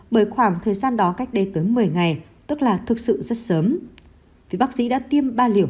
bởi khoảng thời gian đó cách đây tới một mươi ngày tức là thực sự rất sớm vì bác sĩ đã tiêm ba liều